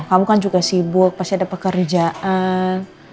kamu kan juga sibuk pasti ada pekerjaan